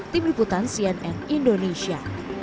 tim liputan cnn indonesia